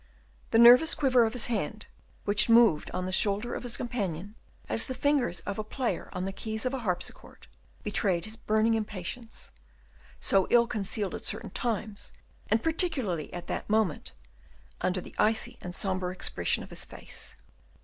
The nervous quiver of his hand, which moved on the shoulder of his companion as the fingers of a player on the keys of a harpsichord, betrayed his burning impatience, so ill concealed at certain times, and particularly at that moment, under the icy and sombre expression of his face.